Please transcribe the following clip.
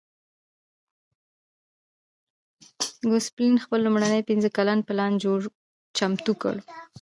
ګوسپلن خپل لومړنی پنځه کلن پلان چمتو کړ